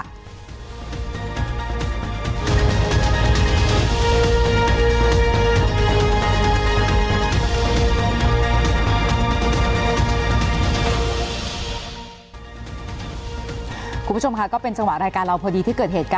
คุณผู้ชมค่ะก็เป็นจังหวะรายการเราพอดีที่เกิดเหตุการณ์